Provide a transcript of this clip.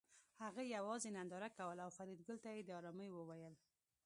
هغه یوازې ننداره کوله او فریدګل ته یې د ارامۍ وویل